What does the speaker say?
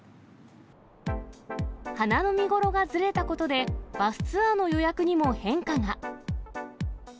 花の見頃がずれたことで、バスツアーの予約にも変化が。